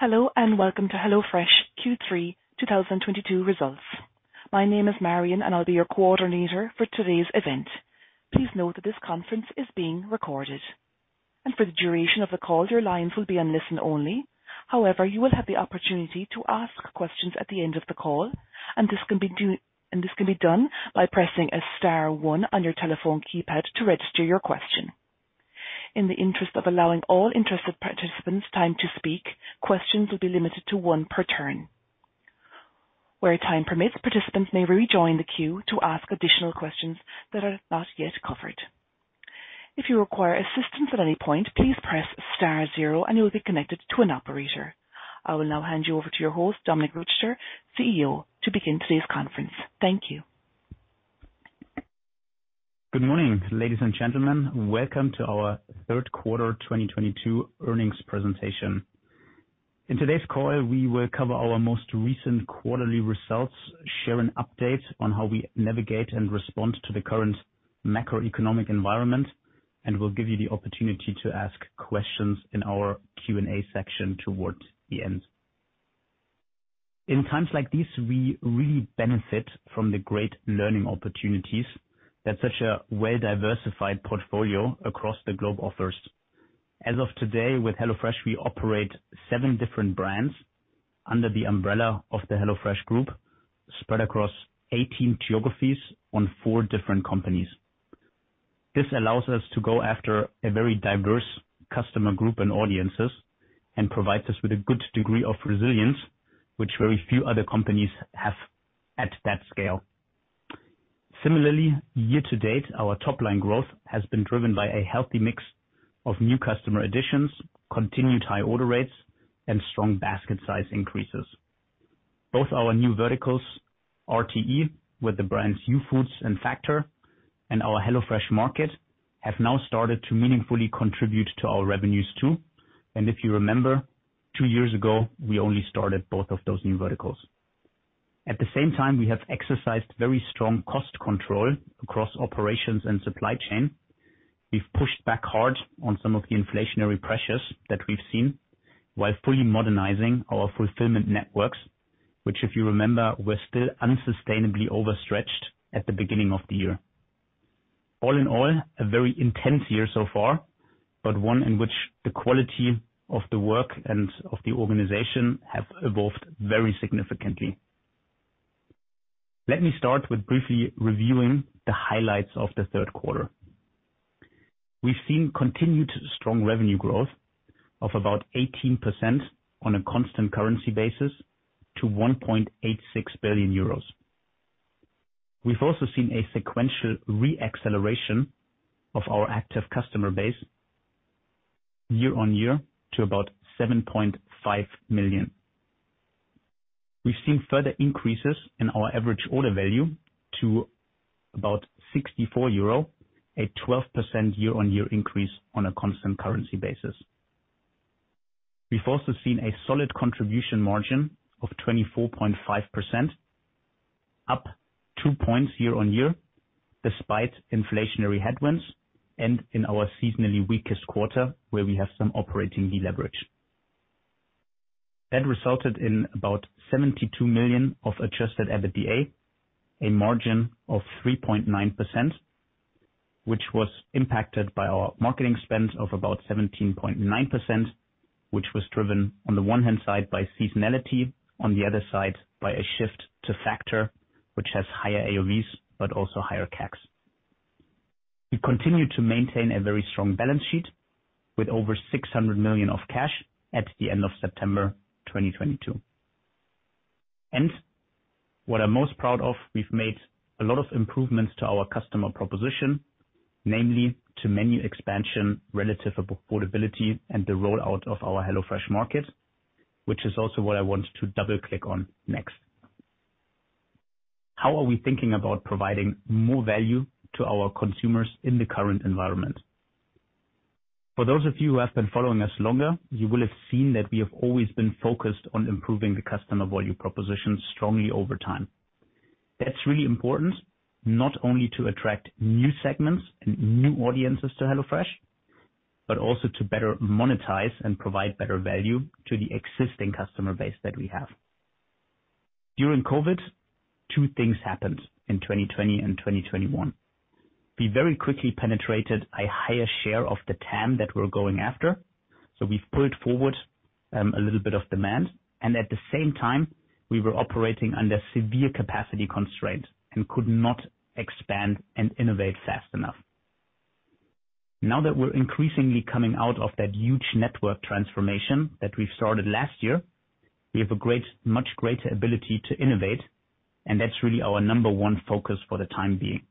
Hello, and welcome to HelloFresh Q3 2022 results. My name is Marion, and I'll be your coordinator for today's event. Please note that this conference is being recorded. For the duration of the call, your lines will be on listen only. However, you will have the opportunity to ask questions at the end of the call, and this can be done by pressing a star one on your telephone keypad to register your question. In the interest of allowing all interested participants time to speak, questions will be limited to one per turn. Where time permits, participants may rejoin the queue to ask additional questions that are not yet covered. If you require assistance at any point, please press star zero and you will be connected to an operator. I will now hand you over to your host, Dominik Richter, CEO, to begin today's conference. Thank you. Good morning, ladies and gentlemen. Welcome to our third quarter 2022 earnings presentation. In today's call, we will cover our most recent quarterly results, share an update on how we navigate and respond to the current macroeconomic environment, and we'll give you the opportunity to ask questions in our Q&A section towards the end. In times like these, we really benefit from the great learning opportunities that such a well-diversified portfolio across the globe offers. As of today, with HelloFresh, we operate seven different brands under the umbrella of the HelloFresh Group, spread across 18 geographies on four different continents. This allows us to go after a very diverse customer group and audiences, and provides us with a good degree of resilience, which very few other companies have at that scale. Similarly, year to date, our top line growth has been driven by a healthy mix of new customer additions, continued high order rates, and strong basket size increases. Both our new verticals, RTE, with the brands Youfoodz and Factor, and our HelloFresh Market, have now started to meaningfully contribute to our revenues too. If you remember, two years ago, we only started both of those new verticals. At the same time, we have exercised very strong cost control across operations and supply chain. We've pushed back hard on some of the inflationary pressures that we've seen while fully modernizing our fulfillment networks, which if you remember, were still unsustainably overstretched at the beginning of the year. All in all, a very intense year so far, but one in which the quality of the work and of the organization have evolved very significantly. Let me start with briefly reviewing the highlights of the third quarter. We've seen continued strong revenue growth of about 18% on a constant currency basis to 1.86 billion euros. We've also seen a sequential re-acceleration of our active customer base year-on-year to about 7.5 million. We've seen further increases in our average order value to about 64 euro, a 12% year-on-year increase on a constant currency basis. We've also seen a solid contribution margin of 24.5%, up 2 points year-on-year despite inflationary headwinds and in our seasonally weakest quarter where we have some operating deleverage. That resulted in about 72 million of adjusted EBITDA, a margin of 3.9%, which was impacted by our marketing spend of about 17.9%, which was driven on the one hand side by seasonality, on the other side by a shift to Factor, which has higher AOVs but also higher CACs. We continue to maintain a very strong balance sheet with over 600 million of cash at the end of September 2022. What I'm most proud of, we've made a lot of improvements to our customer proposition, namely to menu expansion relative affordability and the rollout of our HelloFresh Market, which is also what I want to double click on next. How are we thinking about providing more value to our consumers in the current environment? For those of you who have been following us longer, you will have seen that we have always been focused on improving the customer value proposition strongly over time. That's really important, not only to attract new segments and new audiences to HelloFresh, but also to better monetize and provide better value to the existing customer base that we have. During COVID, two things happened in 2020 and 2021. We very quickly penetrated a higher share of the TAM that we're going after. We've pulled forward a little bit of demand. At the same time, we were operating under severe capacity constraint and could not expand and innovate fast enough. Now that we're increasingly coming out of that huge network transformation that we've started last year, we have a great, much greater ability to innovate, and that's really our number one focus for the time being.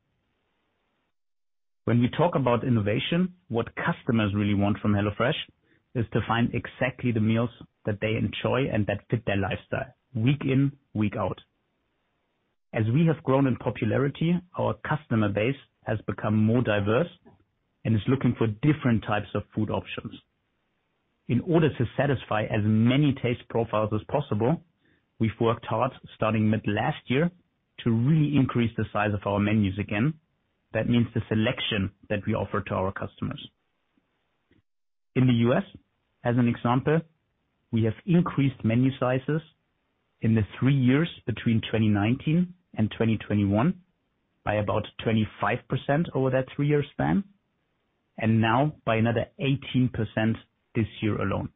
When we talk about innovation, what customers really want from HelloFresh is to find exactly the meals that they enjoy and that fit their lifestyle week in, week out. As we have grown in popularity, our customer base has become more diverse and is looking for different types of food options. In order to satisfy as many taste profiles as possible, we've worked hard starting mid last year to really increase the size of our menus again. That means the selection that we offer to our customers. In the U.S., as an example, we have increased menu sizes in the three years between 2019 and 2021 by about 25% over that three-year span, and now by another 18% this year alone.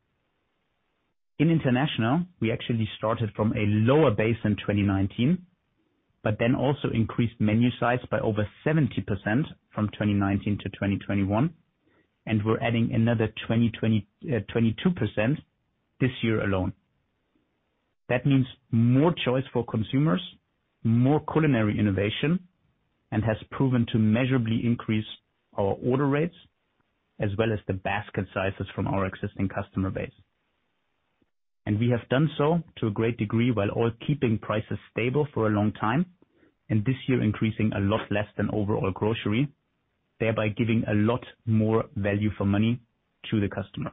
In international, we actually started from a lower base in 2019, but then also increased menu size by over 70% from 2019 to 2021, and we're adding another 22% this year alone. That means more choice for consumers, more culinary innovation, and has proven to measurably increase our order rates as well as the basket sizes from our existing customer base. We have done so to a great degree while all keeping prices stable for a long time, and this year increasing a lot less than overall grocery, thereby giving a lot more value for money to the customer.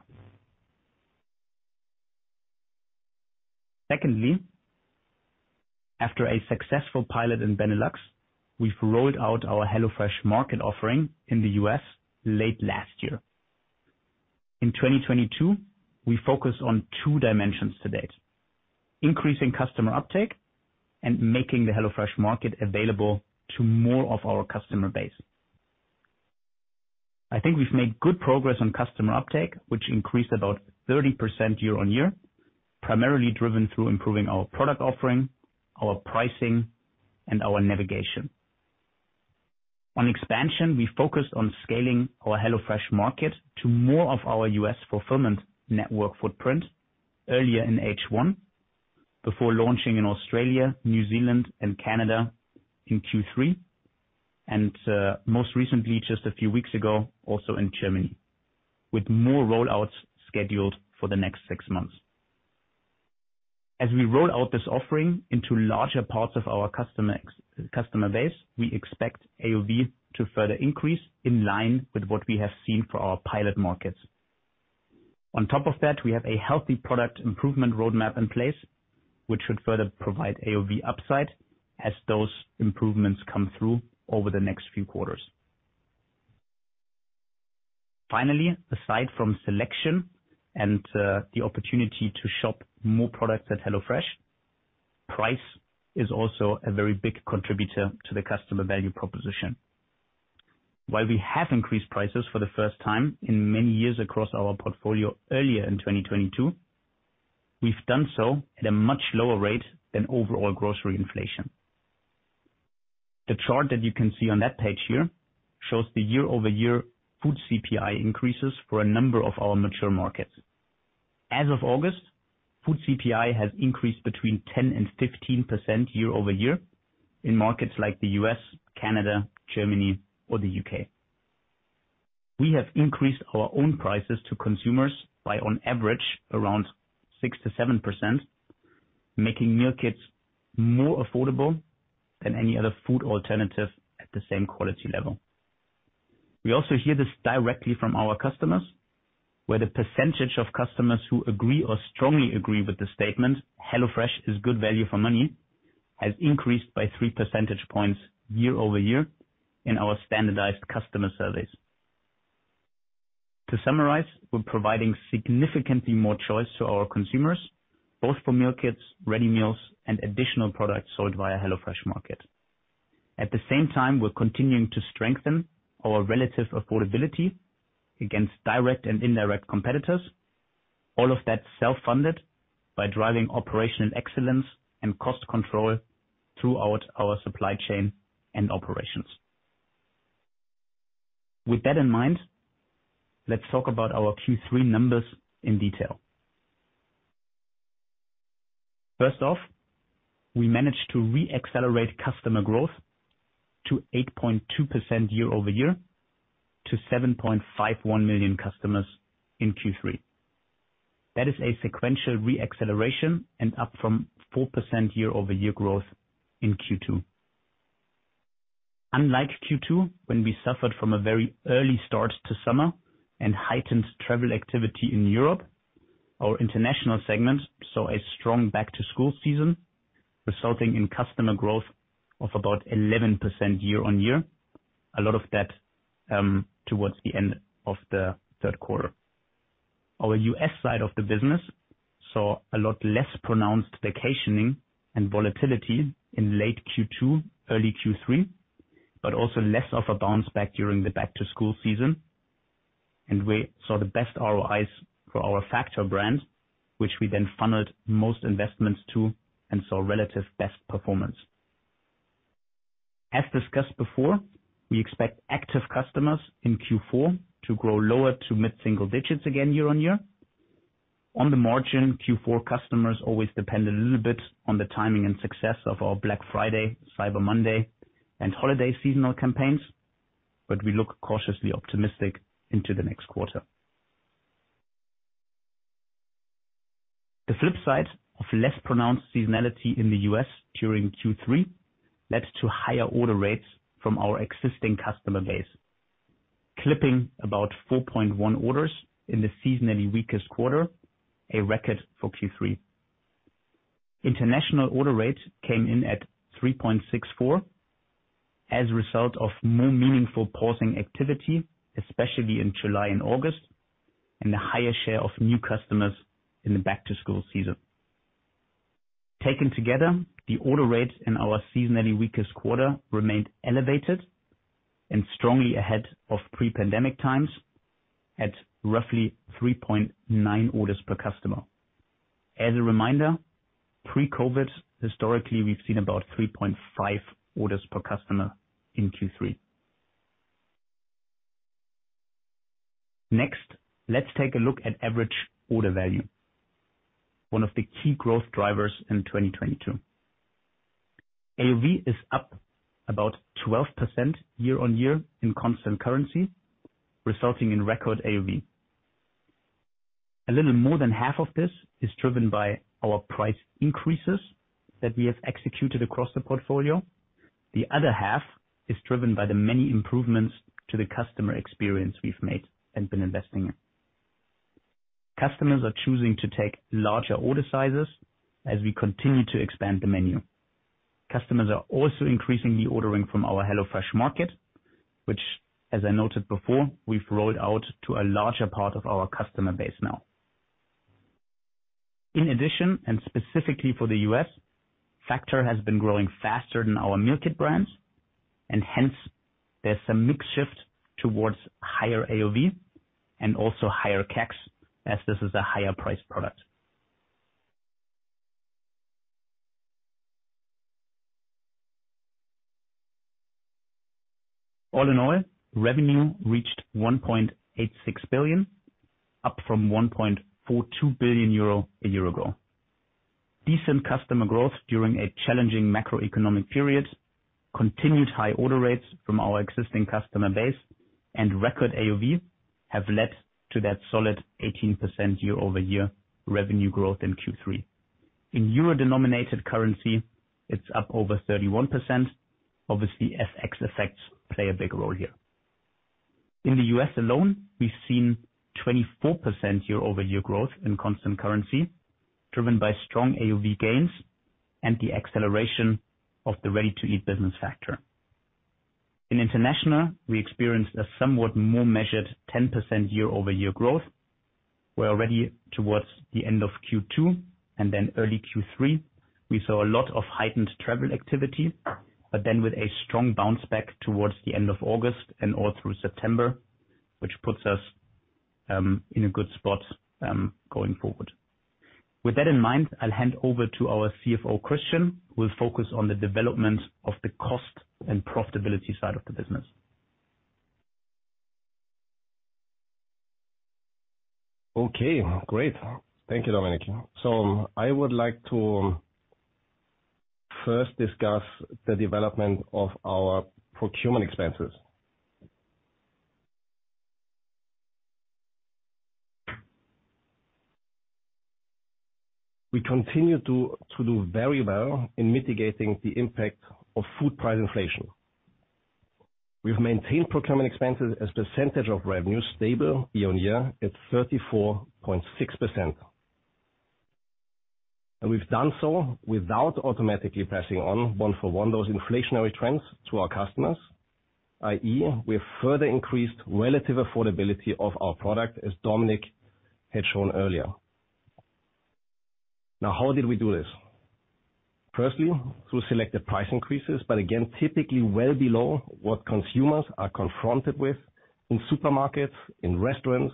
Secondly, after a successful pilot in Benelux, we've rolled out our HelloFresh Market offering in the U.S., late last year. In 2022, we focused on two dimensions to date: increasing customer uptake and making the HelloFresh Market available to more of our customer base. I think we've made good progress on customer uptake, which increased about 30% year-on-year, primarily driven through improving our product offering, our pricing, and our navigation. On expansion, we focused on scaling our HelloFresh Market to more of our US fulfillment network footprint earlier in H1 before launching in Australia, New Zealand, and Canada in Q3 and, most recently, just a few weeks ago, also in Germany, with more rollouts scheduled for the next six months. As we roll out this offering into larger parts of our customer base, we expect AOV to further increase in line with what we have seen for our pilot markets. On top of that, we have a healthy product improvement roadmap in place, which should further provide AOV upside as those improvements come through over the next few quarters. Finally, aside from selection and the opportunity to shop more products at HelloFresh, price is also a very big contributor to the customer value proposition. While we have increased prices for the first time in many years across our portfolio earlier in 2022, we've done so at a much lower rate than overall grocery inflation. The chart that you can see on that page here shows the year-over-year food CPI increases for a number of our mature markets. As of August, food CPI has increased between 10% and 15% year-over-year in markets like the U.S., Canada, Germany or the U.K. We have increased our own prices to consumers by on average around 6%-7%, making meal kits more affordable than any other food alternative at the same quality level. We also hear this directly from our customers, where the percentage of customers who agree or strongly agree with the statement, HelloFresh is good value for money, has increased by 3 percentage points year-over-year in our standardized customer surveys. To summarize, we're providing significantly more choice to our consumers, both for meal kits, ready meals, and additional products sold via HelloFresh Market. At the same time, we're continuing to strengthen our relative affordability against direct and indirect competitors, all of that self-funded by driving operational excellence and cost control throughout our supply chain and operations. With that in mind, let's talk about our Q3 numbers in detail. First off, we managed to re-accelerate customer growth to 8.2% year-over-year to 7.51 million customers in Q3. That is a sequential re-acceleration and up from 4% year-over-year growth in Q2. Unlike Q2, when we suffered from a very early start to summer and heightened travel activity in Europe, our international segment saw a strong back to school season, resulting in customer growth of about 11% year-on-year. A lot of that towards the end of the third quarter. Our U.S., side of the business saw a lot less pronounced vacationing and volatility in late Q2, early Q3, but also less of a bounce back during the back-to-school season. We saw the best ROIs for our Factor brand, which we then funneled most investments to and saw relative best performance. As discussed before, we expect active customers in Q4 to grow lower- to mid-single digits again year-over-year. On the margin, Q4 customers always depend a little bit on the timing and success of our Black Friday, Cyber Monday, and holiday seasonal campaigns, but we look cautiously optimistic into the next quarter. The flip side of less pronounced seasonality in the U.S., during Q3 led to higher order rates from our existing customer base, clipping about 4.1 orders in the seasonally weakest quarter, a record for Q3. International order rates came in at 3.64 as a result of more meaningful pausing activity, especially in July and August, and a higher share of new customers in the back-to-school season. Taken together, the order rates in our seasonally weakest quarter remained elevated and strongly ahead of pre-pandemic times at roughly 3.9 orders per customer. As a reminder, pre-COVID, historically, we've seen about 3.5 orders per customer in Q3. Next, let's take a look at average order value, one of the key growth drivers in 2022. AOV is up about 12% year-on-year in constant currency, resulting in record AOV. A little more than half of this is driven by our price increases that we have executed across the portfolio. The other half is driven by the many improvements to the customer experience we've made and been investing in. Customers are choosing to take larger order sizes as we continue to expand the menu. Customers are also increasingly ordering from our HelloFresh Market, which as I noted before, we've rolled out to a larger part of our customer base now. In addition, and specifically for the US Factor has been growing faster than our meal kit brands, and hence there's a mix shift towards higher AOV and also higher CACs as this is a higher-priced product. All in all, revenue reached 1.86 billion, up from 1.42 billion euro a year ago. Decent customer growth during a challenging macroeconomic period, continued high order rates from our existing customer base, and record AOV have led to that solid 18% year-over-year revenue growth in Q3. In euro-denominated currency, it's up over 31%. Obviously, FX effects play a big role here. In the U.S., alone, we've seen 24% year-over-year growth in constant currency, driven by strong AOV gains and the acceleration of the ready-to-eat business Factor. In international, we experienced a somewhat more measured 10% year-over-year growth. We're already towards the end of Q2 and then early Q3. We saw a lot of heightened travel activity, but then with a strong bounce back towards the end of August and all through September, which puts us in a good spot going forward. With that in mind, I'll hand over to our CFO, Christian, who will focus on the development of the cost and profitability side of the business. Okay, great. Thank you, Dominik. I would like to first discuss the development of our procurement expenses. We continue to do very well in mitigating the impact of food price inflation. We've maintained procurement expenses as percentage of revenue stable year-on-year at 34.6%. We've done so without automatically passing on one for one those inflationary trends to our customers, i.e., we have further increased relative affordability of our product, as Dominik had shown earlier. Now how did we do this? Firstly, through selective price increases, but again, typically well below what consumers are confronted with in supermarkets, in restaurants,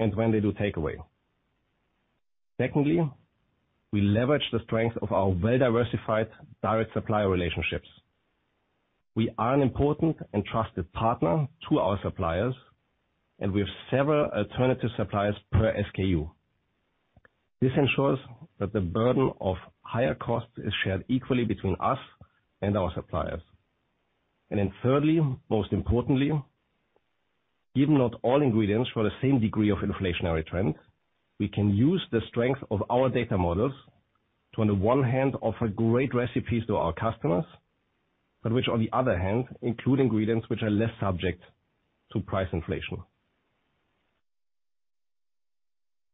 and when they do takeout. Secondly, we leverage the strength of our well-diversified direct supplier relationships. We are an important and trusted partner to our suppliers, and we have several alternative suppliers per SKU. This ensures that the burden of higher costs is shared equally between us and our suppliers. Then thirdly, most importantly, given not all ingredients show the same degree of inflationary trends, we can use the strength of our data models to, on the one hand, offer great recipes to our customers, but which on the other hand, include ingredients which are less subject to price inflation.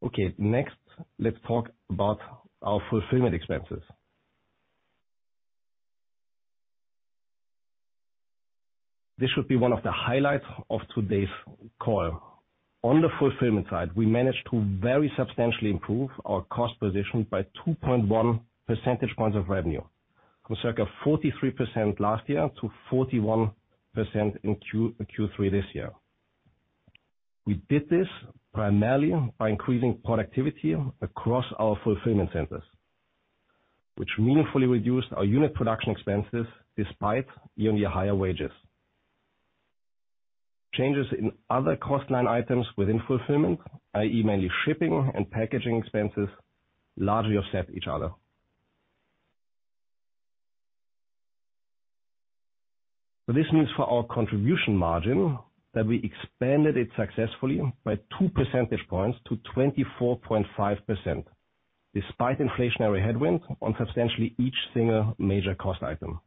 Okay. Next, let's talk about our fulfillment expenses. This should be one of the highlights of today's call. On the fulfillment side, we managed to very substantially improve our cost position by 2.1 percentage points of revenue from circa 43% last year to 41% in Q3 this year. We did this primarily by increasing productivity across our fulfillment centers, which meaningfully reduced our unit production expenses despite year-on-year higher wages. Changes in other cost line items within fulfillment, i.e., mainly shipping and packaging expenses, largely offset each other. This means for our contribution margin that we expanded it successfully by 2 percentage points to 24.5% despite inflationary headwinds on substantially each single major cost item.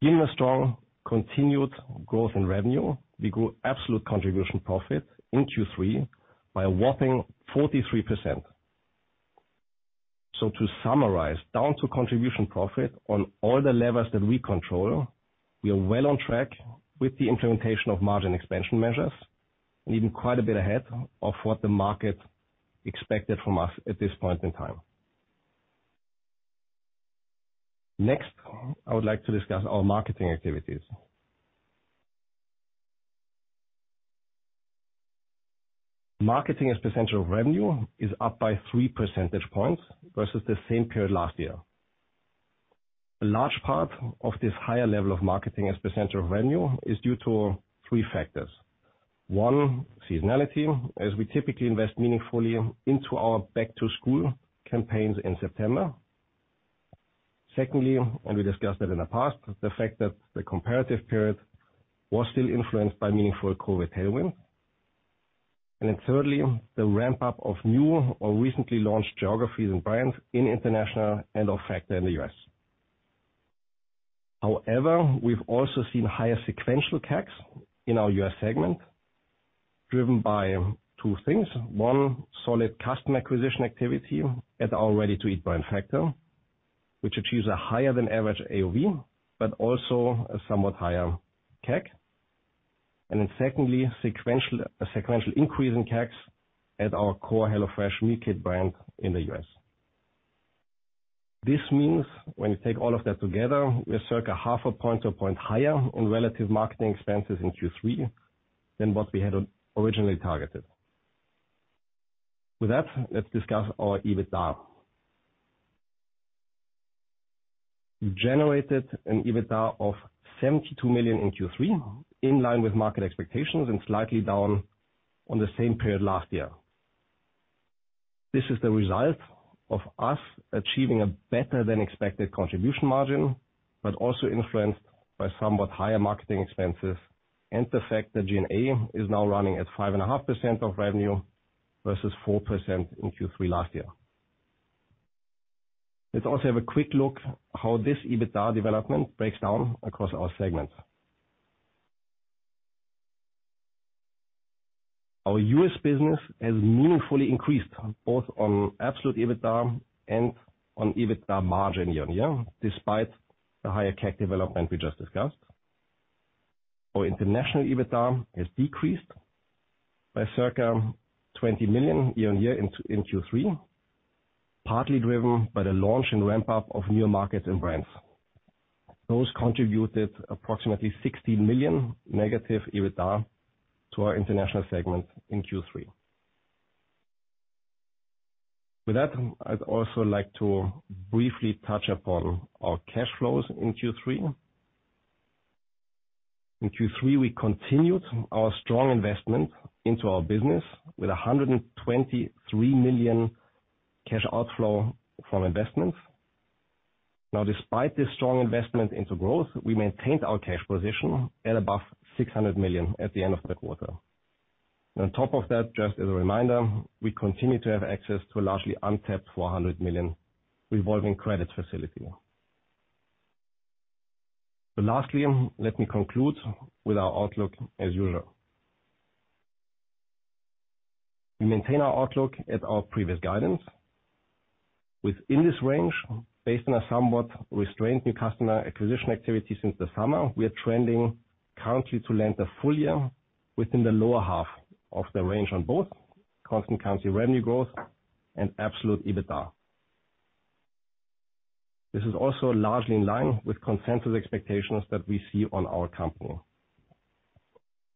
Given the strong continued growth in revenue, we grew absolute contribution profit in Q3 by a whopping 43%. To summarize, down to contribution profit on all the levers that we control, we are well on track with the implementation of margin expansion measures and even quite a bit ahead of what the market expected from us at this point in time. Next, I would like to discuss our marketing activities. Marketing as a percentage of revenue is up by 3 percentage points versus the same period last year. A large part of this higher level of marketing as a percentage of revenue is due to three factors. One, seasonality, as we typically invest meaningfully into our back-to-school campaigns in September. Secondly, and we discussed that in the past, the fact that the comparative period was still influenced by meaningful COVID tailwind. Thirdly, the ramp-up of new or recently launched geographies and brands in International and of Factor in the U.S., However, we've also seen higher sequential CAC in our US segment, driven by two things. One, solid customer acquisition activity at our ready-to-eat brand Factor, which achieves a higher than average AOV, but also a somewhat higher CAC. Secondly, a sequential increase in CACs at our core HelloFresh meal kit brand in the U.S., This means when you take all of that together, we're circa 1/2 a point to a point higher on relative marketing expenses in Q3 than what we had originally targeted. With that, let's discuss our EBITDA. We generated an EBITDA of 72 million in Q3, in line with market expectations and slightly down on the same period last year. This is the result of us achieving a better than expected contribution margin, but also influenced by somewhat higher marketing expenses and the fact that G&A is now running at 5.5% of revenue versus 4% in Q3 last year. Let's also have a quick look how this EBITDA development breaks down across our segments. Our US business has meaningfully increased both on absolute EBITDA and on EBITDA margin year-on-year, despite the higher CAC development we just discussed. Our international EBITDA has decreased by circa 20 million year-on-year in Q3, partly driven by the launch and ramp-up of new markets and brands. Those contributed approximately 60 million negative EBITDA to our international segment in Q3. With that, I'd also like to briefly touch upon our cash flows in Q3. In Q3, we continued our strong investment into our business with 123 million cash outflow from investments. Now despite this strong investment into growth, we maintained our cash position at above 600 million at the end of the quarter. On top of that, just as a reminder, we continue to have access to a largely untapped 400 million revolving credit facility. Lastly, let me conclude with our outlook as usual. We maintain our outlook at our previous guidance. Within this range, based on a somewhat restrained new customer acquisition activity since the summer, we are trending currently to land the full year within the lower half of the range on both constant currency revenue growth and absolute EBITDA. This is also largely in line with consensus expectations that we see on our company.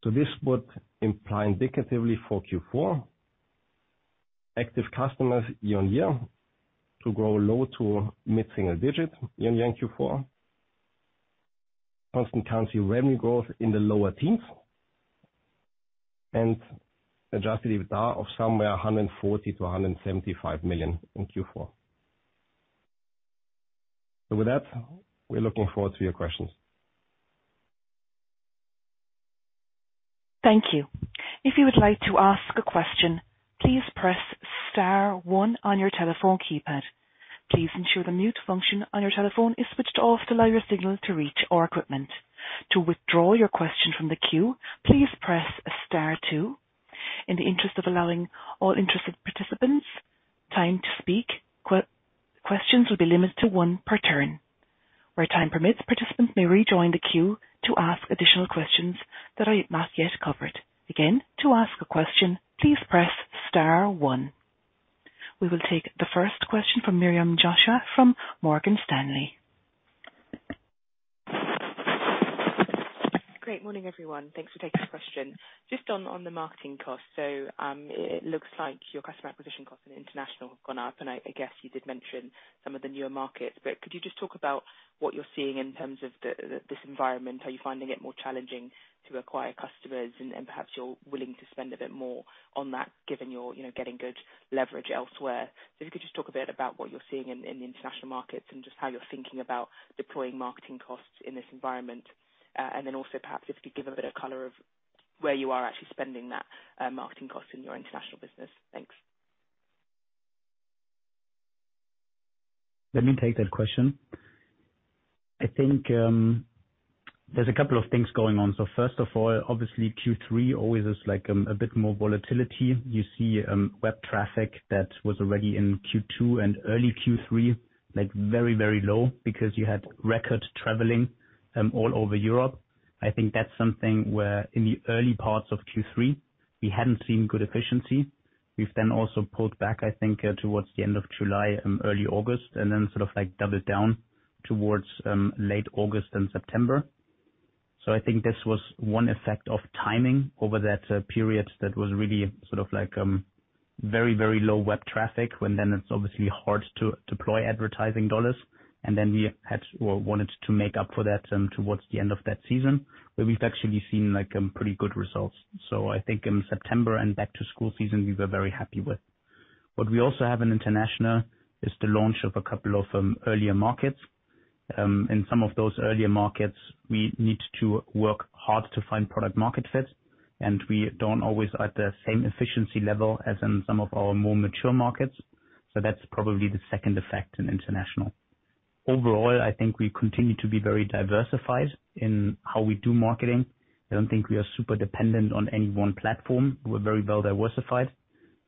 This would imply indicatively for Q4, active customers year-on-year to grow low- to mid-single-digit% year-on-year in Q4. Constant currency revenue growth in the lower teens% and adjusted EBITDA of somewhere 140 million-175 million in Q4. With that, we're looking forward to your questions. Thank you. If you would like to ask a question, please press star one on your telephone keypad. Please ensure the mute function on your telephone is switched off to allow your signal to reach our equipment. To withdraw your question from the queue, please press star two. In the interest of allowing all interested participants time to speak, questions will be limited to one per turn. Where time permits, participants may rejoin the queue to ask additional questions that I have not yet covered. Again, to ask a question, please press star one. We will take the first question from Miriam Josiah from Morgan Stanley. Great morning, everyone. Thanks for taking this question. Just on the marketing costs. It looks like your customer acquisition costs in international have gone up, and I guess you did mention some of the newer markets, but could you just talk about what you're seeing in terms of this environment? Are you finding it more challenging to acquire customers? And perhaps you're willing to spend a bit more on that given you're, you know, getting good leverage elsewhere. If you could just talk a bit about what you're seeing in the international markets and just how you're thinking about deploying marketing costs in this environment. And then also perhaps if you could give a bit of color on where you are actually spending that marketing cost in your international business. Thanks. Let me take that question. I think, there's a couple of things going on. First of all, obviously Q3 always is like, a bit more volatility. You see, web traffic that was already in Q2 and early Q3, like very, very low because you had record traveling, all over Europe. I think that's something where in the early parts of Q3, we hadn't seen good efficiency. We've then also pulled back, I think, towards the end of July and early August, and then sort of like doubled down towards, late August and September. I think this was one effect of timing over that, period that was really sort of like, very, very low web traffic, when then it's obviously hard to deploy advertising dollars. We wanted to make up for that, towards the end of that season, where we've actually seen, like, pretty good results. I think in September and back to school season, we were very happy with. What we also have in international is the launch of a couple of earlier markets. In some of those earlier markets, we need to work hard to find product market fit, and we don't always at the same efficiency level as in some of our more mature markets. That's probably the second effect in international. Overall, I think we continue to be very diversified in how we do marketing. I don't think we are super dependent on any one platform. We're very well diversified.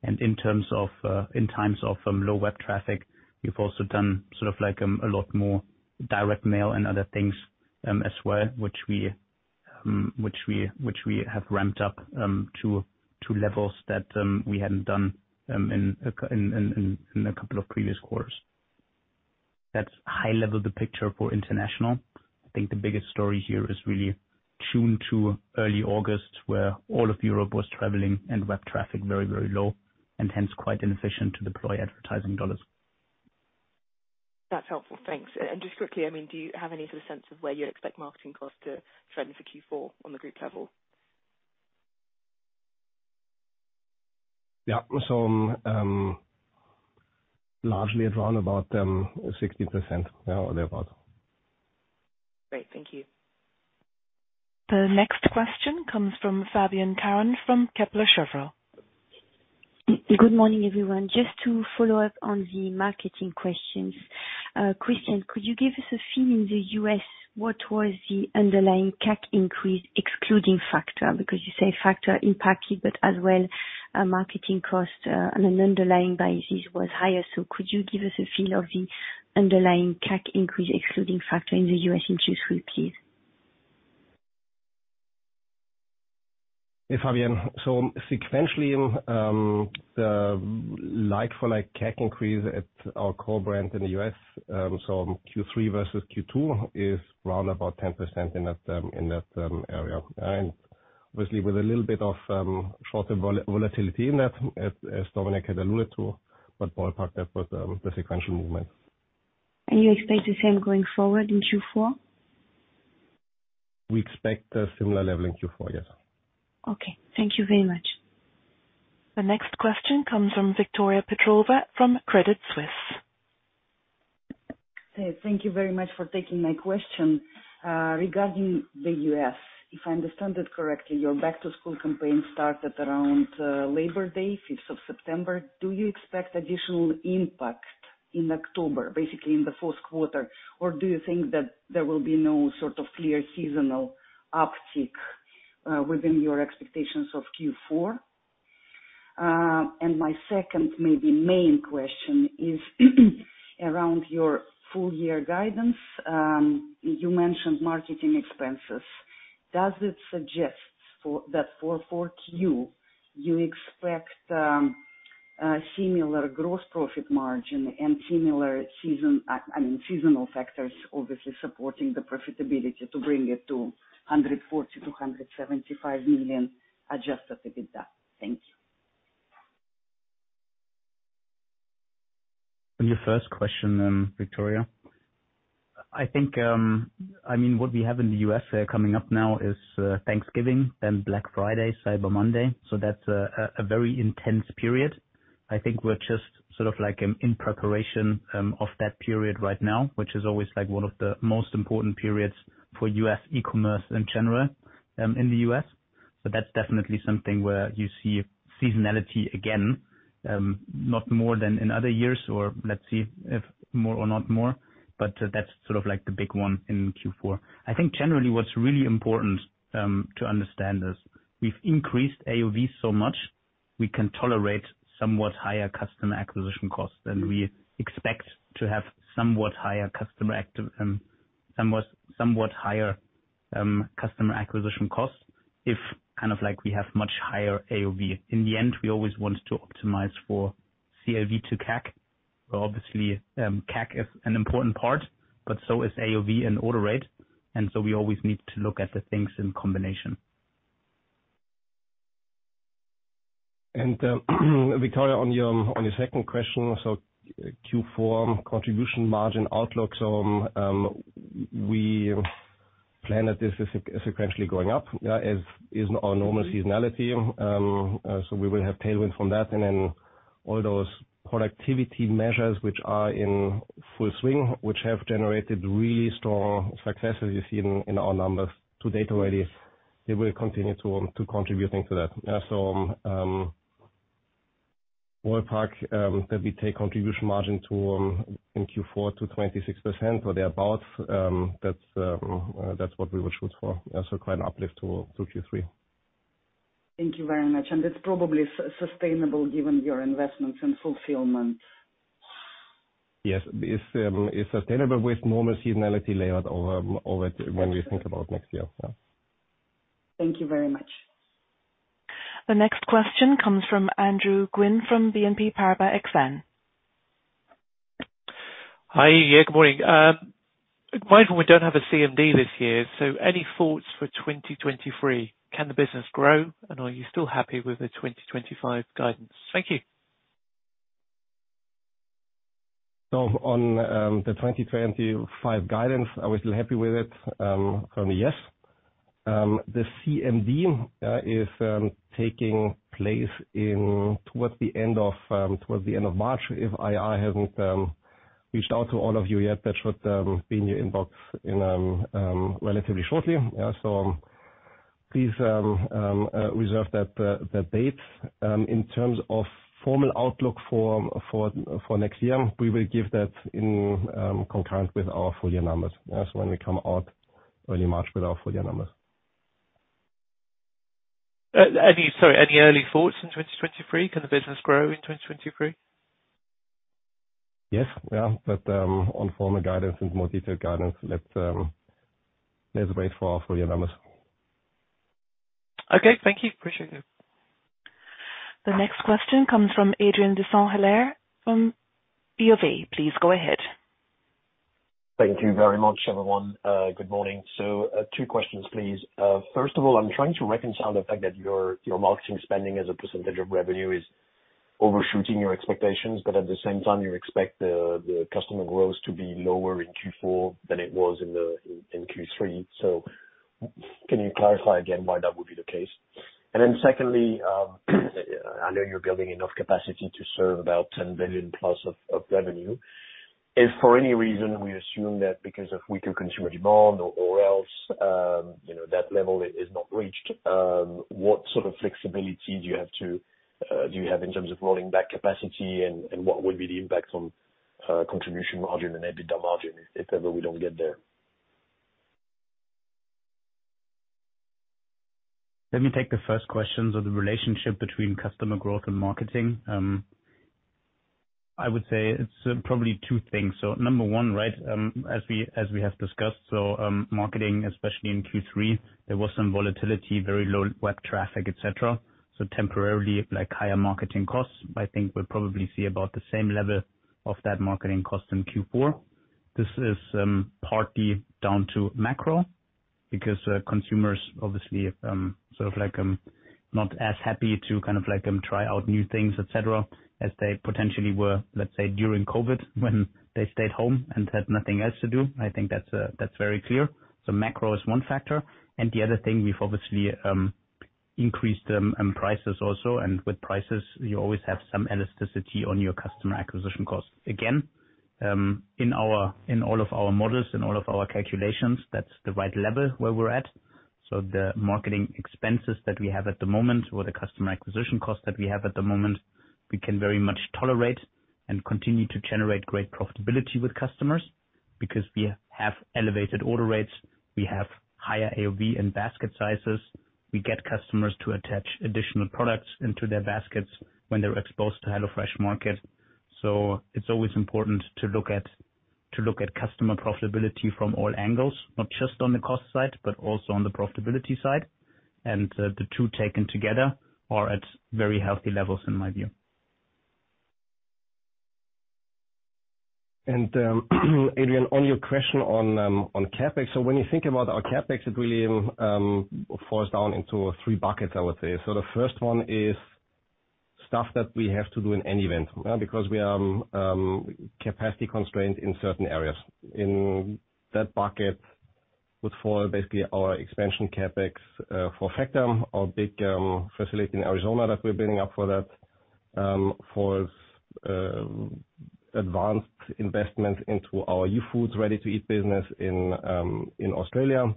In times of low web traffic, we've also done sort of like a lot more direct mail and other things as well, which we have ramped up to levels that we hadn't done in a couple of previous quarters. That's high-level the picture for international. I think the biggest story here is really June to early August, where all of Europe was traveling and web traffic very very low, and hence quite inefficient to deploy advertising dollars. That's helpful. Thanks. Just quickly, I mean, do you have any sort of sense of where you expect marketing costs to trend for Q4 on the group level? Yeah. Largely around about 60%. Yeah, thereabout. Great. Thank you. The next question comes from Fabienne Caron from Kepler Cheuvreux. Good morning, everyone. Just to follow up on the marketing questions. Christian, could you give us a feel in the U.S., what was the underlying CAC increase excluding Factor? Because you say Factor impacted, but as well, marketing cost on an underlying basis was higher. Could you give us a feel of the underlying CAC increase excluding Factor in the U.S., in Q3, please? Yeah, Fabienne. Sequentially, the like-for-like CAC increase at our core brand in the U.S., so Q3 versus Q2 is round about 10% in that area. Obviously, with a little bit of shorter volatility in that, as Dominik had alluded to, but ballpark, that was the sequential movement. You expect the same going forward in Q4? We expect a similar level in Q4. Yes. Okay. Thank you very much. The next question comes from Victoria Petrova from Credit Suisse. Thank you very much for taking my question. Regarding the U.S., if I understand it correctly, your back-to-school campaign started around Labor Day, fifth of September. Do you expect additional impact in October, basically in the fourth quarter? Or do you think that there will be no sort of clear seasonal uptick within your expectations of Q4? My second maybe main question is around your full year guidance. You mentioned marketing expenses. Does it suggest that for 4Q you expect a similar gross profit margin and similar seasonal factors, I mean, obviously, supporting the profitability to bring it to 140 million-175 million adjusted EBITDA? Thank you. On your first question, Victoria.I think, I mean, what we have in the U.S., coming up now is, Thanksgiving, then Black Friday, Cyber Monday. That's a very intense period. I think we're just sort of like in preparation of that period right now, which is always like one of the most important periods for US e-commerce in general, in the U.S., That's definitely something where you see seasonality again, not more than in other years, or let's see if more or not more. That's sort of like the big one in Q4. I think generally what's really important to understand is we've increased AOV so much we can tolerate somewhat higher customer acquisition costs, and we expect to have somewhat higher customer acquisition costs if kind of like we have much higher AOV. In the end, we always want to optimize for CLV to CAC. Obviously, CAC is an important part, but so is AOV and order rate, and so we always need to look at the things in combination. Victoria, on your second question, Q4 contribution margin outlook. We plan that this is sequentially going up. Yeah, as is our normal seasonality. We will have tailwind from that. Then all those productivity measures which are in full swing, which have generated really strong success as you see in our numbers to date already. It will continue to contribute into that. Yeah, ballpark, that we take contribution margin to in Q4 to 26% or thereabout, that's what we will shoot for. Also quite an uplift to Q3. Thank you very much. It's probably sustainable given your investments and fulfillment. Yes. It's sustainable with normal seasonality layered over when we think about next year, yeah. Thank you very much. The next question comes from Andrew Gwynn from BNP Paribas Exane. Hi. Yeah, good morning. Mindful we don't have a CMD this year, so any thoughts for 2023? Can the business grow, and are you still happy with the 2025 guidance? Thank you. On the 2025 guidance, are we still happy with it? Currently, yes. The CMD is taking place towards the end of March. If IR hasn't reached out to all of you yet, that should be in your inbox relatively shortly. Please reserve that date. In terms of formal outlook for next year, we will give that in concurrent with our full year numbers. That's when we come out early March with our full year numbers. Any early thoughts on 2023? Can the business grow in 2023? Yes. Yeah. On formal guidance and more detailed guidance, let's wait for our full year numbers. Okay, thank you. Appreciate it. The next question comes from Adrien de Saint Hilaire from BofA. Please go ahead. Thank you very much, everyone. Good morning. Two questions, please. First of all, I'm trying to reconcile the fact that your marketing spending as a percentage of revenue is overshooting your expectations, but at the same time, you expect the customer growth to be lower in Q4 than it was in Q3. Can you clarify again why that would be the case? Then secondly, I know you're building enough capacity to serve about 10 billion+ of revenue. If for any reason we assume that because of weaker consumer demand or else, you know, that level is not reached, what sort of flexibility do you have in terms of rolling back capacity and what will be the impact on contribution margin and EBITDA margin if ever we don't get there? Let me take the first question. The relationship between customer growth and marketing, I would say it's probably two things. Number one, right, as we have discussed, marketing, especially in Q3, there was some volatility, very low web traffic, et cetera. Temporarily, like higher marketing costs. I think we'll probably see about the same level of that marketing cost in Q4. This is partly down to macro because consumers obviously sort of like not as happy to kind of like try out new things, et cetera, as they potentially were, let's say, during COVID when they stayed home and had nothing else to do. I think that's very clear. Macro is one factor. The other thing, we've obviously increased prices also. With prices you always have some elasticity on your customer acquisition costs. Again, in all of our models, in all of our calculations, that's the right level where we're at. The marketing expenses that we have at the moment or the customer acquisition costs that we have at the moment, we can very much tolerate and continue to generate great profitability with customers because we have elevated order rates, we have higher AOV and basket sizes. We get customers to attach additional products into their baskets when they're exposed to HelloFresh Market. It's always important to look at customer profitability from all angles, not just on the cost side, but also on the profitability side. The two taken together are at very healthy levels in my view. Adrien, on your question on CapEx. When you think about our CapEx, it really falls down into three buckets, I would say. The first one is stuff that we have to do in any event, because we are capacity constrained in certain areas. In that bucket would fall basically our expansion CapEx for Factor, our big facility in Arizona that we're building up for that. For advanced investments into our Youfoodz ready-to-eat business in Australia.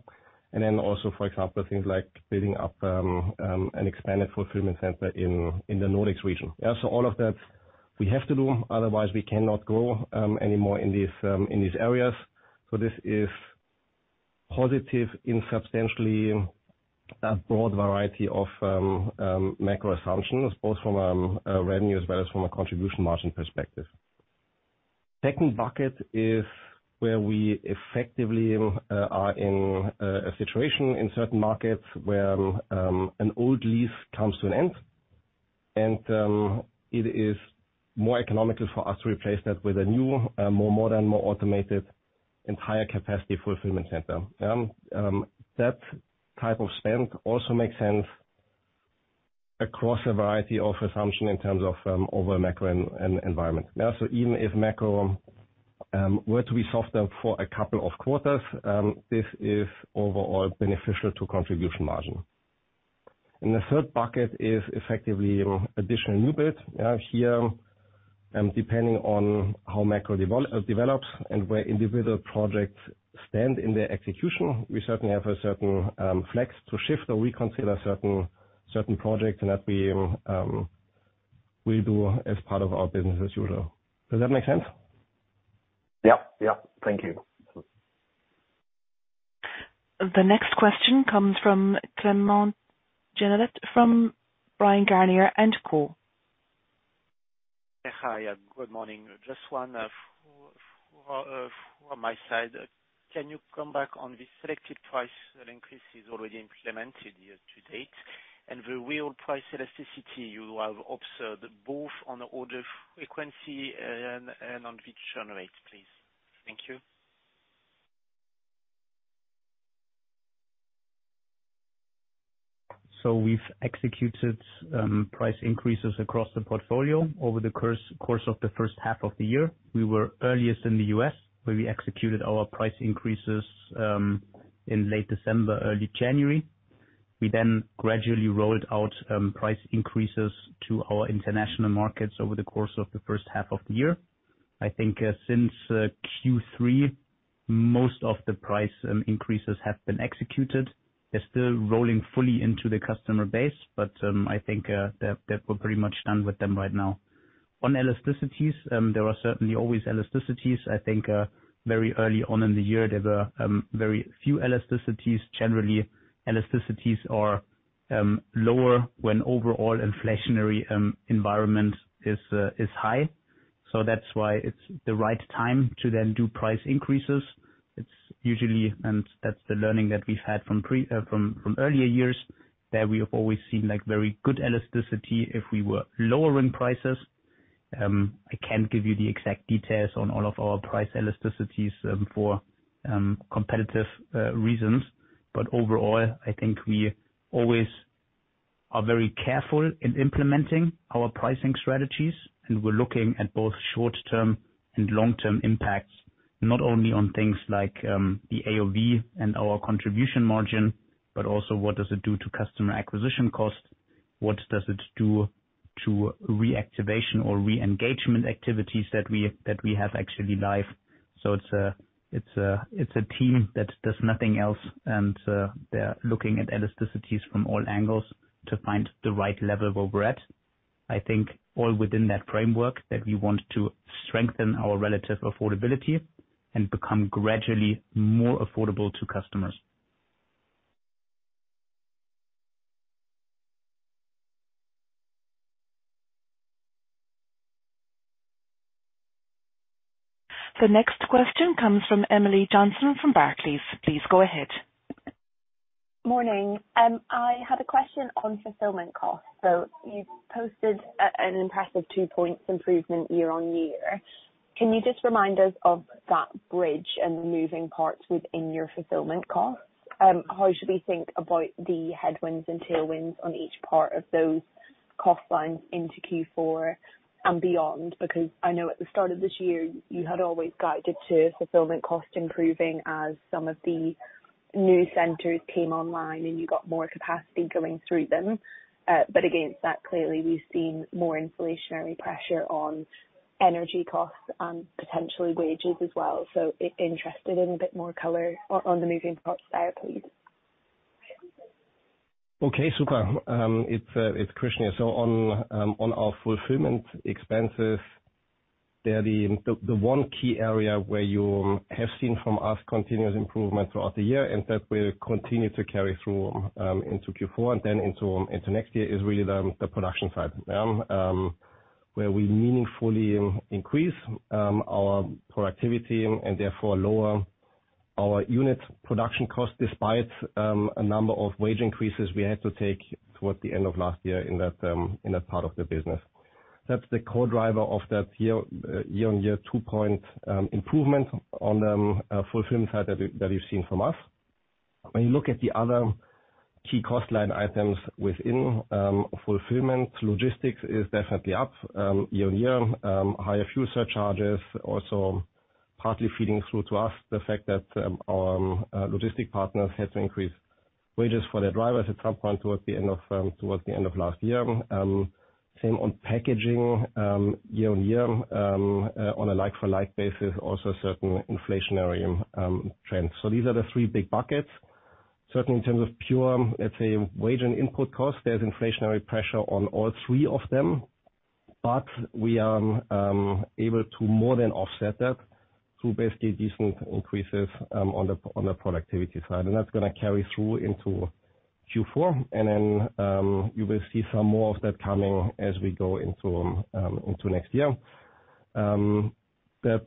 Then also for example, things like building up an expanded fulfillment center in the Nordics region. Yeah, all of that we have to do, otherwise we cannot grow any more in these areas. This is positive in substantially a broad variety of macro assumptions, both from revenue as well as from a contribution margin perspective. Second bucket is where we effectively are in a situation in certain markets where an old lease comes to an end and it is more economical for us to replace that with a new more modern, more automated and higher capacity fulfillment center. That type of spend also makes sense across a variety of assumption in terms of overall macro environment. Yeah, so even if macro were to be softer for a couple of quarters, this is overall beneficial to contribution margin. The third bucket is effectively additional new bit. Depending on how macro develops and where individual projects stand in their execution, we certainly have a certain flex to shift or reconsider certain projects, and that we do as part of our business as usual. Does that make sense? Yeah, yeah. Thank you. The next question comes from Clément Genelot, from Bryan, Garnier & Co. Hi, good morning. Just one for my side. Can you come back on the selected price increases already implemented year to date and the real price elasticity you have observed both on the order frequency and on retention, please? Thank you. We've executed price increases across the portfolio over the course of the first half of the year. We were earliest in the U.S., where we executed our price increases in late December, early January. We then gradually rolled out price increases to our international markets over the course of the first half of the year. I think since Q3, most of the price increases have been executed. They're still rolling fully into the customer base, but I think that we're pretty much done with them right now. On elasticities, there are certainly always elasticities. I think very early on in the year, there were very few elasticities. Generally, elasticities are lower when overall inflationary environment is high. That's why it's the right time to then do price increases. It's usually, and that's the learning that we've had from earlier years, that we have always seen, like, very good elasticity if we were lowering prices. I can't give you the exact details on all of our price elasticities, for competitive reasons. Overall, I think we always are very careful in implementing our pricing strategies. We're looking at both short-term and long-term impacts, not only on things like the AOV and our contribution margin, but also what does it do to customer acquisition costs? What does it do to reactivation or re-engagement activities that we have actually live? It's a team that does nothing else. They're looking at elasticities from all angles to find the right level where we're at. I think all within that framework that we want to strengthen our relative affordability and become gradually more affordable to customers. The next question comes from Emily Johnson from Barclays. Please go ahead. Morning. I had a question on fulfillment costs. You posted an impressive 2 points improvement year-over-year. Can you just remind us of that bridge and the moving parts within your fulfillment costs? How should we think about the headwinds and tailwinds on each part of those cost lines into Q4 and beyond? Because I know at the start of this year, you had always guided to fulfillment cost improving as some of the new centers came online, and you got more capacity going through them. Against that, clearly, we've seen more inflationary pressure on energy costs and potentially wages as well. Interested in a bit more color on the moving parts there, please. Okay, super. It's Christian here. On our fulfillment expenses, they are the one key area where you have seen from us continuous improvement throughout the year, and that will continue to carry through into Q4 and then into next year is really the production side. Where we meaningfully increase our productivity and therefore lower our unit production cost despite a number of wage increases we had to take towards the end of last year in that part of the business. That's the core driver of that year-on-year 2-point improvement on the fulfillment side that you've seen from us. When you look at the other key cost line items within fulfillment, logistics is definitely up year-on-year. Higher fuel surcharges also partly feeding through to us, the fact that our logistics partners had to increase wages for their drivers at some point towards the end of last year. Same on packaging, year-on-year, on a like-for-like basis, also certain inflationary trends. These are the three big buckets. Certainly, in terms of pure, let's say, wage and input costs, there's inflationary pressure on all three of them. We are able to more than offset that through basically decent increases on the productivity side. That's gonna carry through into Q4. You will see some more of that coming as we go into next year. That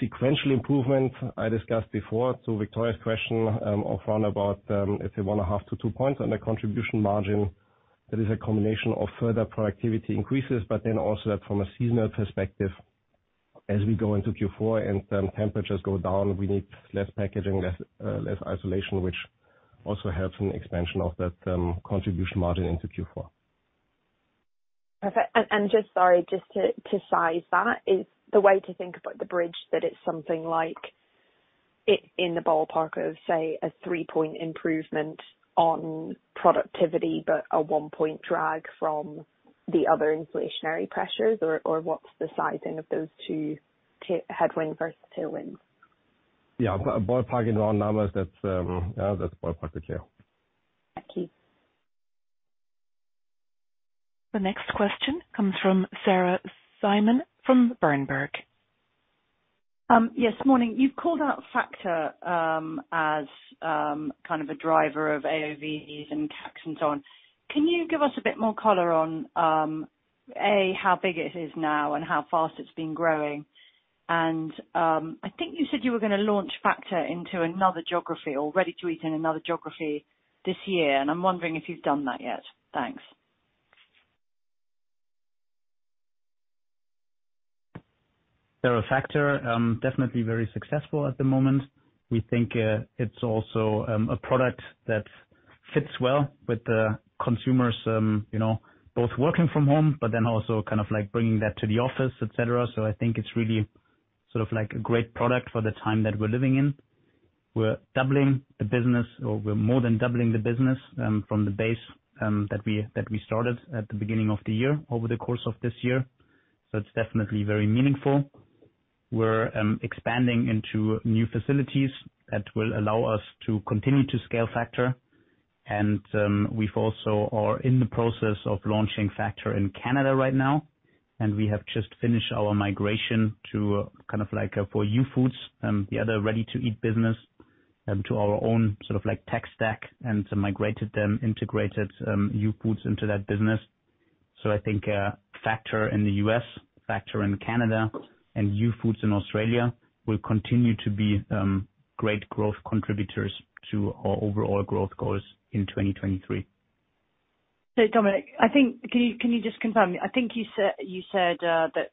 sequential improvement I discussed before, to Victoria's question, of around about, let's say 1.5-2 points on the contribution margin. That is a combination of further productivity increases, but then also that from a seasonal perspective, as we go into Q4 and temperatures go down, we need less packaging, less isolation, which also helps in expansion of that contribution margin into Q4. Perfect. Sorry, just to size that, is the way to think about the bridge that it's something like in the ballpark of, say, a 3-point improvement on productivity but a 1-point drag from the other inflationary pressures? Or, what's the sizing of those two headwinds versus tailwinds? Yeah. Ballpark in round numbers, that's, yeah, that's ballpark for sure. Thank you. The next question comes from Sarah Simon from Berenberg. Yes. Morning. You've called out Factor as kind of a driver of AOV and CapEx and so on. Can you give us a bit more color on how big it is now and how fast it's been growing? I think you said you were gonna launch Factor into another geography or ready to eat in another geography this year, and I'm wondering if you've done that yet. Thanks. Sarah, Factor, definitely very successful at the moment. We think, it's also, a product that fits well with the consumers, you know, both working from home but then also kind of like bringing that to the office, et cetera. I think it's really sort of like a great product for the time that we're living in. We're doubling the business or we're more than doubling the business, from the base that we started at the beginning of the year over the course of this year. It's definitely very meaningful. We're expanding into new facilities that will allow us to continue to scale Factor and we've also are in the process of launching Factor in Canada right now, and we have just finished our migration to kind of like for Youfoodz, the other ready-to-eat business, to our own sort of like tech stack and migrated them, integrated, Youfoodz into that business. I think Factor in the US Factor in Canada and Youfoodz in Australia will continue to be great growth contributors to our overall growth goals in 2023. Dominik, I think. Can you just confirm? I think you said that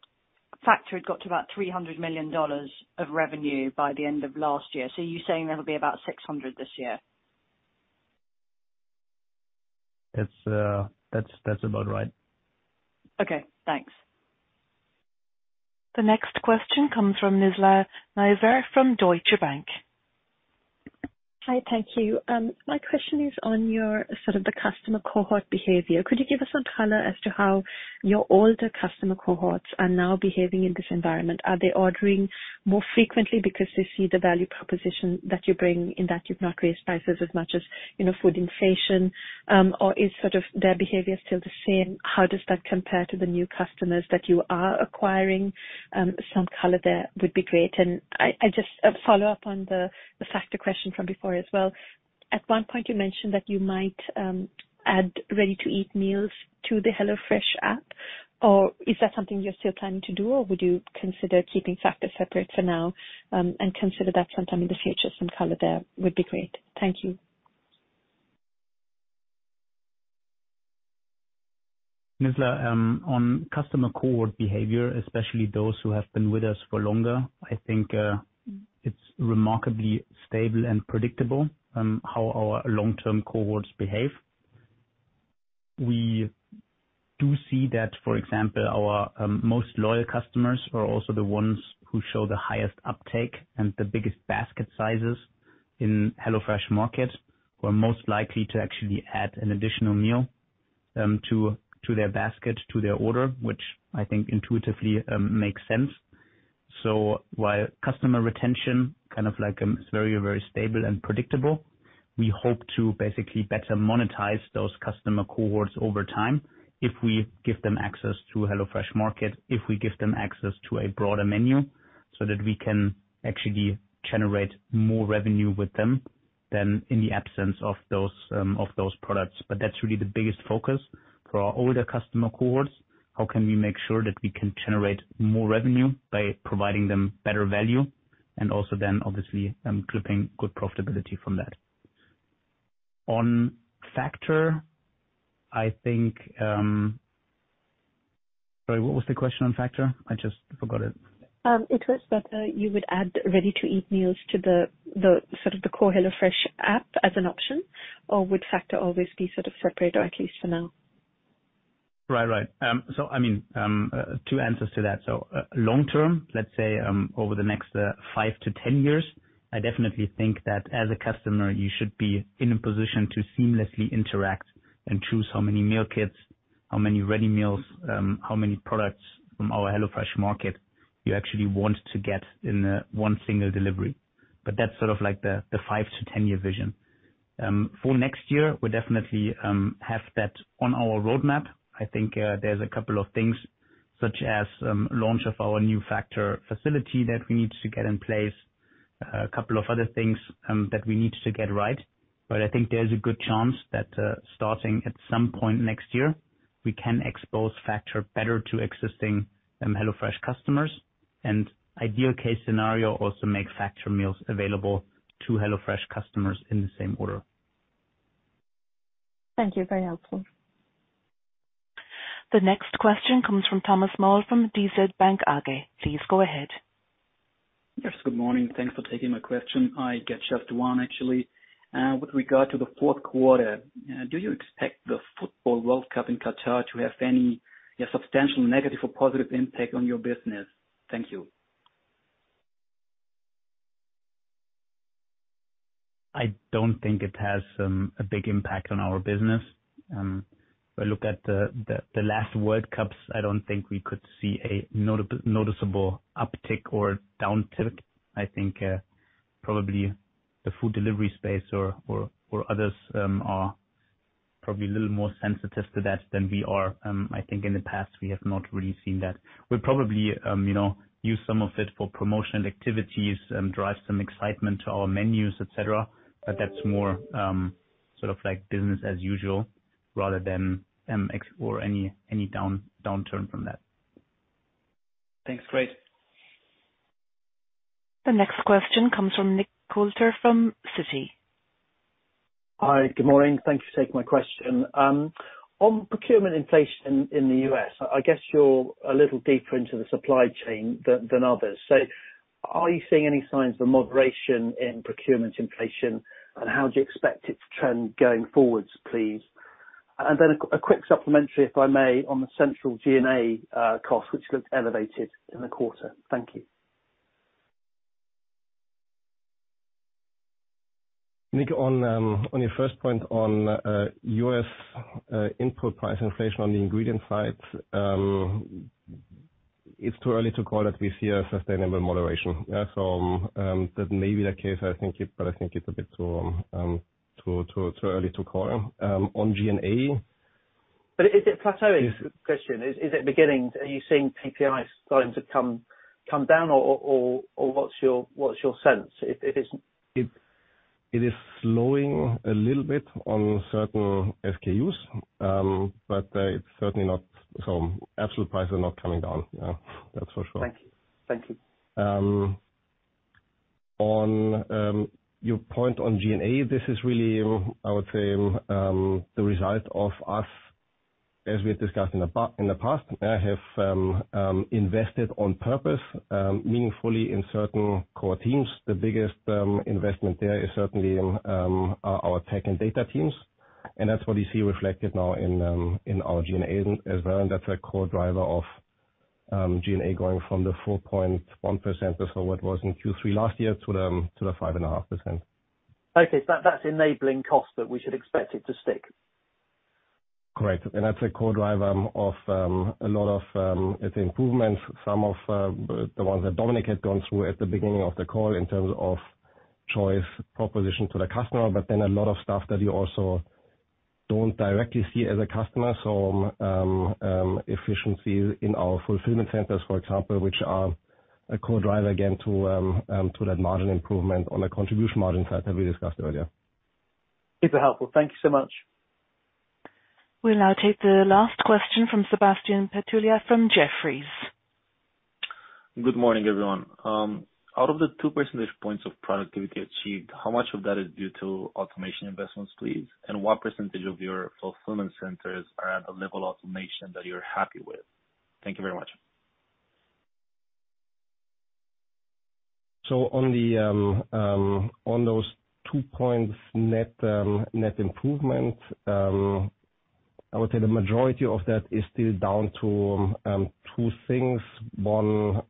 Factor had got to about $300 million of revenue by the end of last year. You're saying that'll be about $600 million this year? It's, that's about right. Okay, thanks. The next question comes from Nizla Naizer from Deutsche Bank. Hi. Thank you. My question is on your sort of the customer cohort behavior. Could you give us some color as to how your older customer cohorts are now behaving in this environment? Are they ordering more frequently because they see the value proposition that you bring in, that you've not raised prices as much as, you know, food inflation? Or is sort of their behavior still the same? How does that compare to the new customers that you are acquiring? Some color there would be great. I just a follow-up on the Factor question from before as well. At one point you mentioned that you might add ready-to-eat meals to the HelloFresh app, or is that something you're still planning to do or would you consider keeping Factor separate for now, and consider that sometime in the future? Some color there would be great. Thank you. Nizla, on customer cohort behavior, especially those who have been with us for longer, I think, it's remarkably stable and predictable, how our long-term cohorts behave. We do see that, for example, our most loyal customers are also the ones who show the highest uptake and the biggest basket sizes in HelloFresh Market are most likely to actually add an additional meal to their basket, to their order, which I think intuitively makes sense. While customer retention kind of like is very, very stable and predictable, we hope to basically better monetize those customer cohorts over time if we give them access to HelloFresh Market, if we give them access to a broader menu so that we can actually generate more revenue with them than in the absence of those of those products. That's really the biggest focus for our older customer cohorts. How can we make sure that we can generate more revenue by providing them better value and also then obviously, clipping good profitability from that. On Factor, I think, sorry, what was the question on Factor? I just forgot it. It was whether you would add ready-to-eat meals to the sort of core HelloFresh app as an option, or would Factor always be sort of separate or at least for now? Right. I mean, two answers to that. Long term, let's say, over the next 5-10 years, I definitely think that as a customer you should be in a position to seamlessly interact and choose how many meal kits, how many ready meals, how many products from our HelloFresh Market you actually want to get in one single delivery. That's sort of like the 5-10-year vision. For next year, we definitely have that on our roadmap. I think, there's a couple of things such as launch of our new Factor facility that we need to get in place, a couple of other things that we need to get right. I think there's a good chance that, starting at some point next year, we can expose Factor better to existing HelloFresh customers and ideal case scenario, also make Factor meals available to HelloFresh customers in the same order. Thank you. Very helpful. The next question comes from Thomas Maul from DZ Bank AG. Please go ahead. Yes, good morning. Thanks for taking my question. I get just one actually. With regard to the fourth quarter, do you expect the football World Cup in Qatar to have any substantial negative or positive impact on your business? Thank you. I don't think it has a big impact on our business. If I look at the last World Cups, I don't think we could see a noticeable uptick or downtick. I think probably the food delivery space or others are probably a little more sensitive to that than we are. I think in the past we have not really seen that. We'll probably you know use some of it for promotional activities and drive some excitement to our menus, et cetera. But that's more sort of like business as usual rather than explore any downturn from that. Thanks. Great. The next question comes from Nick Coulter from Citi. Hi, good morning. Thank you for taking my question. On procurement inflation in the U.S., I guess you're a little deeper into the supply chain than others. Are you seeing any signs of moderation in procurement inflation, and how do you expect it to trend going forwards, please? A quick supplementary, if I may, on the central G&A cost, which looked elevated in the quarter. Thank you. Nick, on your first point on US input price inflation on the ingredient side, it's too early to call that we see a sustainable moderation. That may be the case, but I think it's a bit too early to call. On G&A- Is it plateauing? Are you seeing PPIs starting to come down or what's your sense if it isn't? It is slowing a little bit on certain SKUs. But it's certainly not. Absolute prices are not coming down. Yeah, that's for sure. Thank you. Thank you. On your point on G&A, this is really, I would say, the result of us, as we had discussed in the past, I have invested on purpose meaningfully in certain core teams. The biggest investment there is certainly in our tech and data teams. That's what you see reflected now in our G&A as well. That's a core driver of G&A going from the 4.1% before what was in Q3 last year to the 5.5%. Okay. That's enabling cost, but we should expect it to stick. Correct. That's a core driver of a lot of the improvements. Some of the ones that Dominik had gone through at the beginning of the call in terms of choice proposition to the customer, but then a lot of stuff that you also don't directly see as a customer. Efficiency in our fulfillment centers, for example, which are a core driver again to that margin improvement on the contribution margin side that we discussed earlier. Super helpful. Thank you so much. We'll now take the last question from Sebastian Patulea from Jefferies. Good morning, everyone. Out of the 2 percentage points of productivity achieved, how much of that is due to automation investments, please? What percentage of your fulfillment centers are at a level of automation that you're happy with? Thank you very much. On those two points, net improvement, I would say the majority of that is still down to two things. One,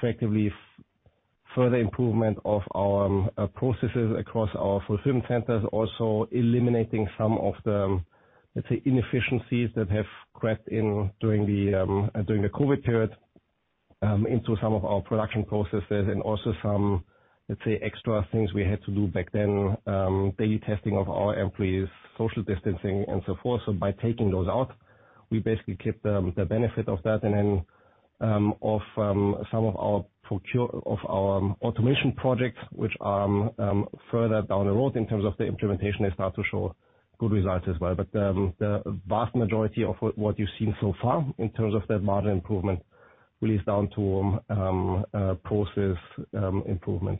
effectively further improvement of our processes across our fulfillment centers. Also eliminating some of the, let's say, inefficiencies that have crept in during the COVID period into some of our production processes and also some, let's say, extra things we had to do back then, daily testing of our employees, social distancing and so forth. By taking those out, we basically keep the benefit of that. Some of our progress of our automation projects which are further down the road in terms of the implementation, they start to show good results as well. The vast majority of what you've seen so far in terms of that margin improvement really is down to process improvement.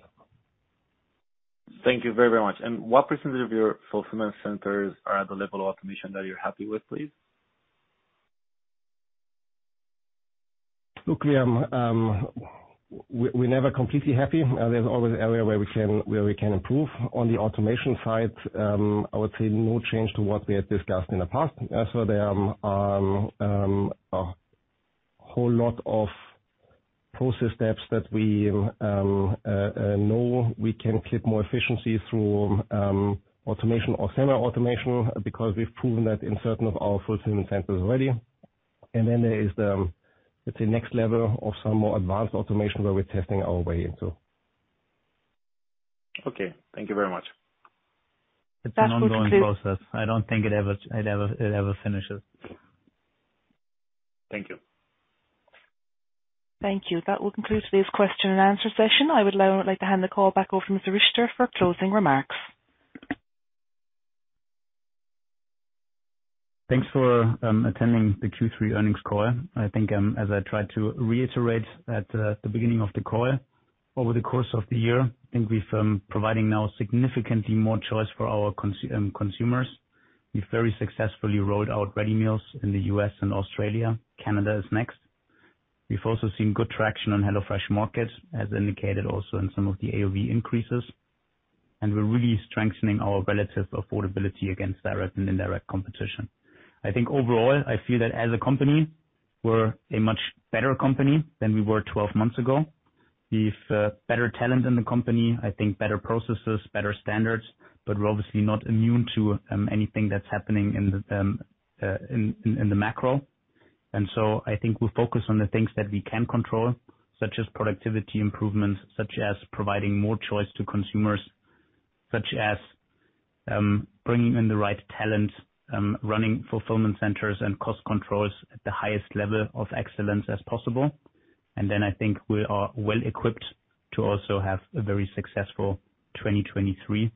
Thank you very, very much. What percentage of your fulfillment centers are at the level of automation that you're happy with, please? Look, we're never completely happy. There's always an area where we can improve. On the automation side, I would say no change to what we had discussed in the past. There is a whole lot of process steps that we know we can keep more efficiency through automation or semi-automation, because we've proven that in certain of our fulfillment centers already. Then there is, let's say, next level of some more advanced automation where we're testing our way into. Okay. Thank you very much. That's good. It's an ongoing process. I don't think it ever finishes. Thank you. Thank you. That will conclude today's question and answer session. I would now like to hand the call back over to Mr. Richter for closing remarks. Thanks for attending the Q3 earnings call. I think, as I tried to reiterate at the beginning of the call, over the course of the year, I think we've providing now significantly more choice for our consumers. We've very successfully rolled out ready meals in the U.S., and Australia. Canada is next. We've also seen good traction on HelloFresh Market, as indicated also in some of the AOV increases. We're really strengthening our relative affordability against direct and indirect competition. I think overall, I feel that as a company, we're a much better company than we were 12 months ago. We've better talent in the company, I think better processes, better standards, but we're obviously not immune to anything that's happening in the macro. I think we focus on the things that we can control, such as productivity improvements, such as providing more choice to consumers, such as bringing in the right talent, running fulfillment centers and cost controls at the highest level of excellence as possible. I think we are well equipped to also have a very successful 2023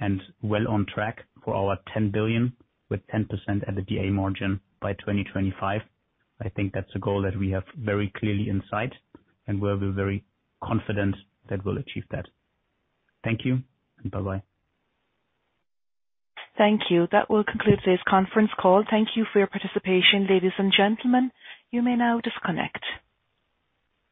and well on track for our 10 billion with 10% EBITDA margin by 2025. I think that's a goal that we have very clearly in sight, and we're very confident that we'll achieve that. Thank you, and bye-bye. Thank you. That will conclude today's conference call. Thank you for your participation, ladies and gentlemen. You may now disconnect.